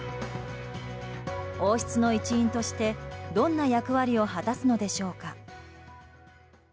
王族の一員として、どんな役割を果たすのでしょうか。